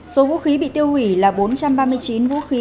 số vũ khí bị tiêu hủy là bốn trăm ba mươi chín vũ khí